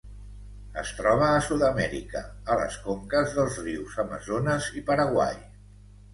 Es troba a Sud-amèrica, a les conques dels rius Amazones i Paraguai.